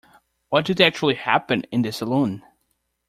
What did actually happen in the salon?